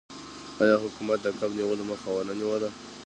آیا حکومت د کب نیولو مخه ونه نیوله؟